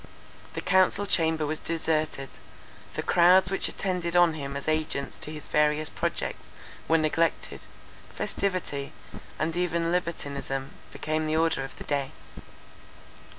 The council chamber was deserted; the crowds which attended on him as agents to his various projects were neglected. Festivity, and even libertinism, became the order of the day.